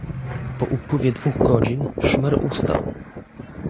"Po upływie dwóch godzin szmer ustał."